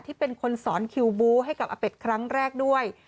เป็นคนสอนคิวบูให้กับอเป็ดครั้งแรกด้วย